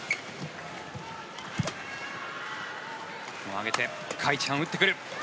上げてカ・イチハン、打ってくる。